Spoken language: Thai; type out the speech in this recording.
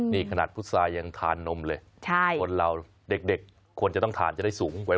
นี่ขนาดพุษายังทานนมเลยคนเราเด็กควรจะต้องทานจะได้สูงวัย